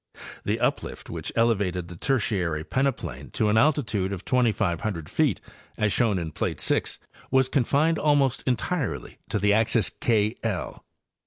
The uplift which elevated the Tertiary peneplain to an altitude of 2,500 feet, as shown in plate 6, was confined almost entirely to the axis K L.